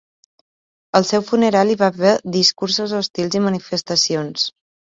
Al seu funeral hi va haver discursos hostils i manifestacions.